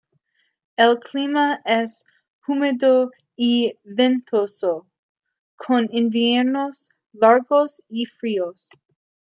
El clima es húmedo y ventoso, con inviernos largos y fríos.